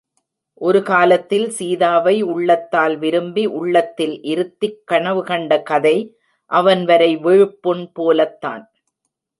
ஒரு காலத்தில் சீதாவை உள்ளத்தால் விரும்பி, உள்ளத்தில் இருத்திக் கனவுகண்ட கதை அவன் வரை விழுப்புண் போலத்தான்!